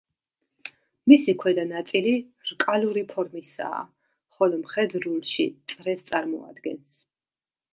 მისი ქვედა ნაწილი რკალური ფორმისაა, ხოლო მხედრულში წრეს წარმოადგენს.